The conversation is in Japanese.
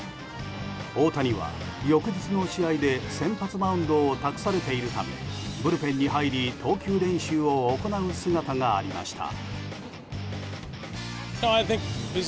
大谷は翌日の試合で先発マウンドを託されているためブルペンに入り投球練習を行う姿がありました。